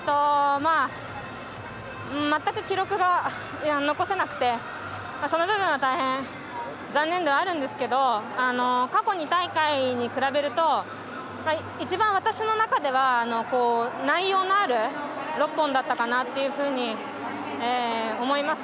全く記録が残せなくてその部分は大変、残念ではあるんですけど過去２大会に比べると一番私の中では内容のある６本だったかなと思います。